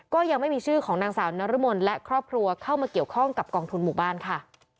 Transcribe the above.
ก็ยังไม่มีชื่อของนางสาวนรมนและครอบครัวเข้ามาเกี่ยวข้องกับกองทุนหมู่บ้านค่ะ